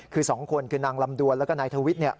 คือสองคนคือนางลำดวนแล้วก็นายทวิทย์